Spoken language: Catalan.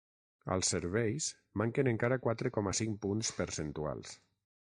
Als serveis, manquen encara quatre coma cinc punts percentuals.